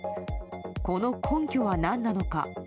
この根拠はなんなのか。